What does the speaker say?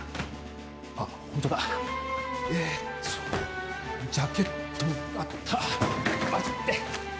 あホントだえっとジャケットあったあイッテ！